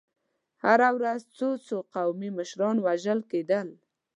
هره ورځ څو څو قومي مشران وژل کېدل.